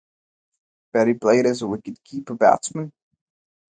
Batty played as a wicket-keeper batsman.